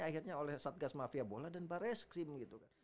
akhirnya oleh satgas mafia bola dan barreskrim gitu kan